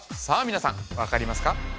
皆さん分かりますか？